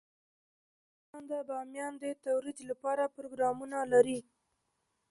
افغانستان د بامیان د ترویج لپاره پروګرامونه لري.